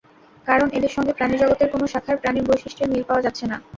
কারণ, এদের সঙ্গে প্রাণিজগতের কোনো শাখার প্রাণীর বৈশিষ্ট্যের মিল পাওয়া যাচ্ছে না।